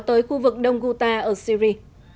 tới khu vực đông guta ở syri